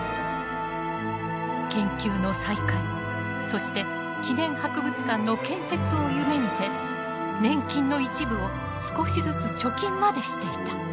研究の再開そして記念博物館の建設を夢みて年金の一部を少しずつ貯金までしていた。